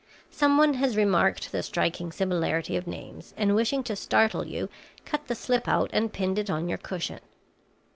Some one has remarked the striking similarity of names, and wishing to startle you, cut the slip out and pinned it on your cushion.